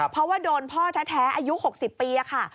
เพราะว่าโดนพ่อแท้อายุ๖๐ปีค่ะ